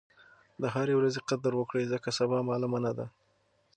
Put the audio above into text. د هرې ورځې قدر وکړئ ځکه سبا معلومه نه ده.